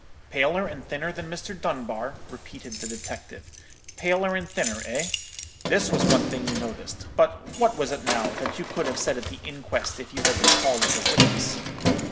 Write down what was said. "'Paler and thinner than Mr. Dunbar,' repeated the detective; 'paler and thinner, eh? This was one thing you noticed; but what was it, now, that you could have said at the inquest if you had been called as a witness?'